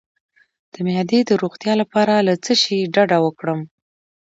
د معدې د روغتیا لپاره له څه شي ډډه وکړم؟